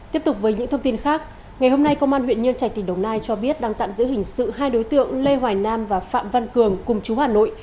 tiếp tục với những thông tin khác ngày hôm nay công an huyện nhân trạch tỉnh đồng nai cho biết đang tạm giữ hình sự hai đối tượng lê hoài nam và phạm văn cường cùng chú hà nội